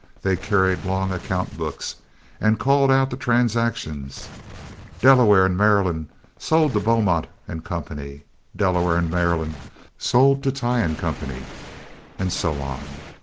They carried long account books, and called out the transactions—"Delaware and Maryland sold to Beaumont and Company," "Delware and Maryland sold to Tighe and Company," and so on.